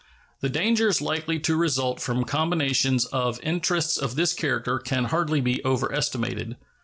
The dangers likely to result from combinations of interests of this character can hardly be overestimated.